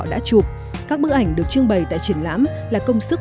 đã chụp các bức ảnh được trưng bày tại triển lãm là công sức